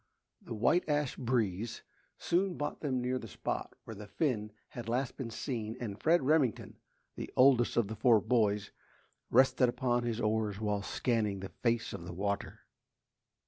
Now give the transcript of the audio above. The "white ash breeze" soon brought them near the spot where the fin had last been seen and Fred Remington, the oldest of the four boys, rested upon his oars while scanning the face of the water.